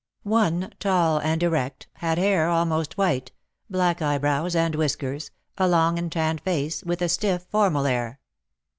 One, tall and erect, had hair almost white, black eyebrows and whiskers, a long and tanned face, with a stiff, formal air.